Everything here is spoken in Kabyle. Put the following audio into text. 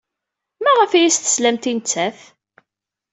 Maɣef ay as-teslamt i nettat?